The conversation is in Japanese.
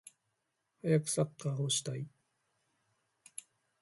はやくサッカーをしたい